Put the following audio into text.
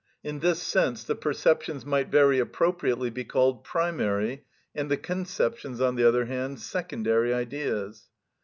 In this sense the perceptions might very appropriately be called primary, and the conceptions, on the other hand, secondary ideas.